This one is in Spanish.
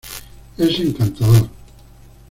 Es encantador.